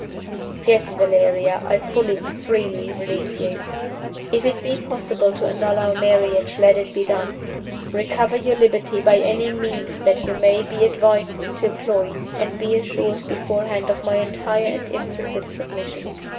"Yes, Valeria, I fully, freely release you. If it be possible to annul our marriage, let it be done. Recover your liberty by any means that you may be advised to employ; and be assured beforehand of my entire and implicit submission.